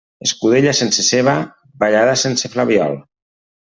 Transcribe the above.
Escudella sense ceba, ballada sense flabiol.